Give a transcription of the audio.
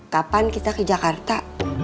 kapan kita ke jakarta